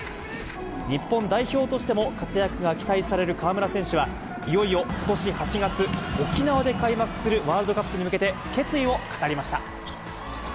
日本代表としても活躍が期待される河村選手は、いよいよことし８月、沖縄で開幕するワールドカップに向けて、決意を語りました。